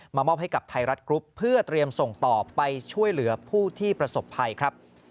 มอบให้กับไทยรัฐกรุ๊ปเพื่อเตรียมส่งต่อไปช่วยเหลือผู้ที่ประสบภัยครับ